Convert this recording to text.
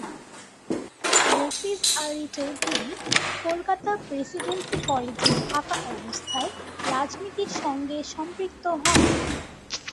Mofiz Ali Chowdhury Kolkata Presidency কলেজে থাকা অবস্থায় রাজনীতির সঙ্গে সম্পৃক্ত হন।